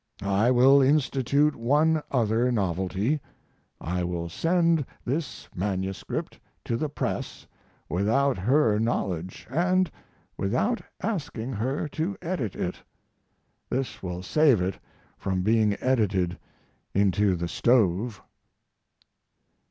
I will institute one other novelty: I will send this manuscript to the press without her knowledge and without asking her to edit it. This will save it from getting edited into the stove.